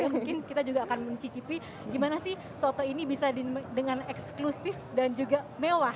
mungkin kita juga akan mencicipi gimana